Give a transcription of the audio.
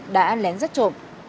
đã lén rắt trộm